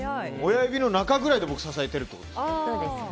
親指の中ぐらいで支えてるってことですね。